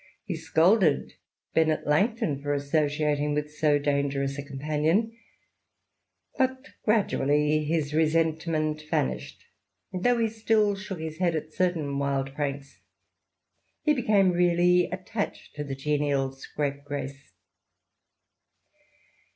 He scolded Bennet Langton for associating with so dangerous a companion, but gradually his resentment vanished, and though he still shook his head at certain wild pranks, he became really attached to the genial scrapegrace.